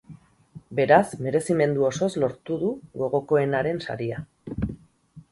Beraz, merezimendu osoz lortu du gogokoenaren saria.